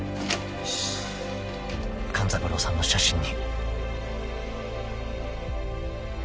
［勘三郎さんの写真に］